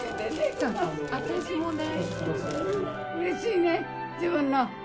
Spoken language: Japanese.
私もね。